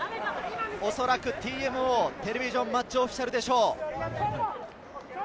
おそらくＴＭＯ、テレビジョン・マッチ・オフィシャルでしょう。